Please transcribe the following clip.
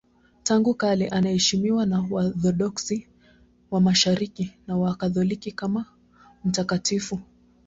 Tangu kale anaheshimiwa na Waorthodoksi wa Mashariki na Wakatoliki kama mtakatifu.